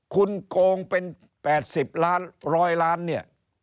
คุณโกงเป็น๘๐ล้าน๑๐๐ล้านเนี่ย